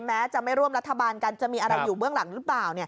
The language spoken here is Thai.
แม้จะไม่ร่วมรัฐบาลกันจะมีอะไรอยู่เบื้องหลังหรือเปล่า